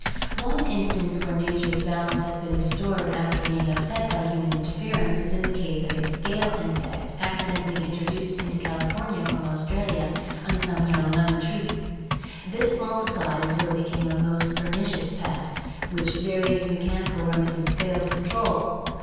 One instance where nature's balance has been restored after being upset by human interference is in the case of a scale insect accidentally introduced into California from Australia on some young lemon trees. This multiplied until it became a most per nicious pest which various mechanical remedies failed to control.